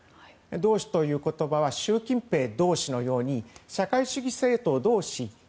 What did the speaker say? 同志という言葉は習近平同志のように社会主義政党同志